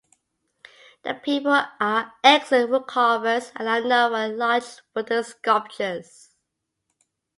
The people are excellent woodcarvers and are known for their large wooden sculptures.